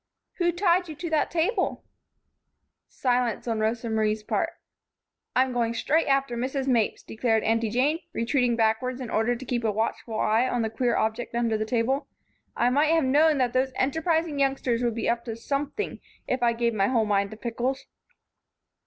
"Who tied you to that table?" Silence on Rosa Marie's part. "I'm going straight after Mrs. Mapes," declared Aunty Jane, retreating backwards in order to keep a watchful eye on the queer object under the table. "I might have known that those enterprising youngsters would be up to something, if I gave my whole mind to pickles."